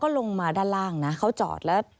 ลงมาด้านล่างนะเขาจอดแล้ว